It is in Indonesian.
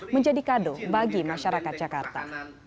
menjadi kado bagi masyarakat jakarta